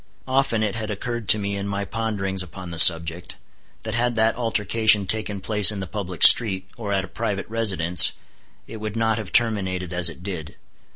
Often it had occurred to me in my ponderings upon the subject, that had that altercation taken place in the public street, or at a private residence, it would not have terminated as it did.